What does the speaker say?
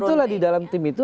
itulah di dalam tim itu